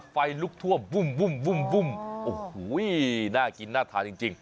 ไฟลุกท่วมบุ้มโอ้โหน่ากินน่าทานจริง